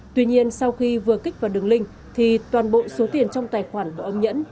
tuy nhiên sau khi vừa kích vào đường link thì toàn bộ số tiền trong tài khoản của ông nhẫn